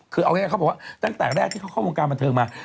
คือเอาง่ายเขาบอกว่าตั้งแต่แรกที่เขาเข้าวงการบันเทิงมา